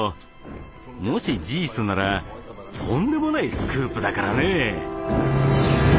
もし事実ならとんでもないスクープだからね。